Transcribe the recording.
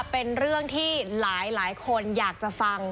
เป็นเรื่องที่หลายคนอยากจะฟัง